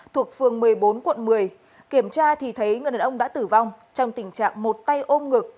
thuộc phường một mươi bốn quận một mươi kiểm tra thì thấy người đàn ông đã tử vong trong tình trạng một tay ôm ngực